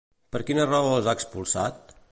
Per quina raó els ha expulsat?